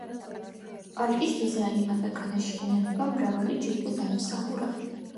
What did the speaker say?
პარკის დიზაინმა და განაშენიანებამ მრავალი ჯილდო დაიმსახურა.